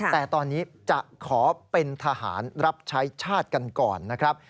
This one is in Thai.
แต่ตอนนี้จะขอเป็นทหารรับใช้ชาติกันก่อนนะครับ